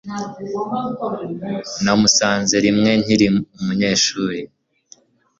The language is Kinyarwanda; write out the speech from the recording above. Namusanze rimwe nkiri umunyeshuri